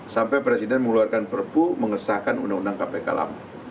sampai presiden mengeluarkan perpu mengesahkan undang undang kpk lama